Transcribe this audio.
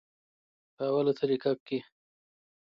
پۀ اوله طريقه کښې